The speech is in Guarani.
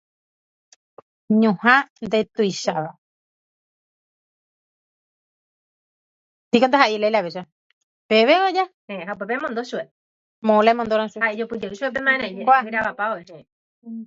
Ñuhã ndetuicháva.